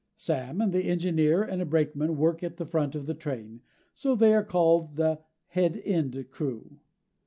Sam and the engineer and a brakeman work at the front of the train, so they are called the head end crew.